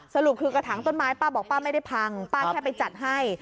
สรุปคือกระถางต้นไม้ป้าบอกป้าไม่ได้พังป้าแค่ไปจัดให้